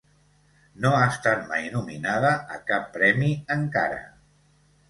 No ha estat mai nominada a cap premi encara.